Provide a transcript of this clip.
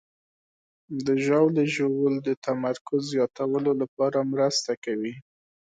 د ژاولې ژوول د تمرکز زیاتولو کې مرسته کوي.